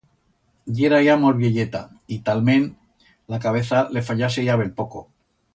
Yera ya molt vielleta y, talment, la cabeza le fallase ya bell poco.